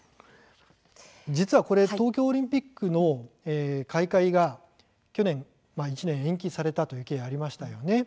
実はこれ東京オリンピックの開会が去年１年延期された経緯がありましたね。